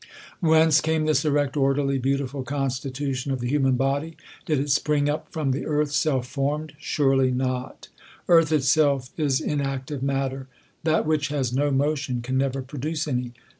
Whence came this erect, orderly, beautiful constitu tion of the human body ? Did it spring up from the earth, self formed ? Surely not. Earth itself is in active matter. That which has no motion can never produce any.